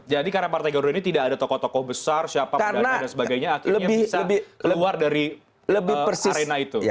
jadi karena partai garuda ini tidak ada tokoh tokoh besar siapa mudah dan sebagainya akhirnya bisa keluar dari arena itu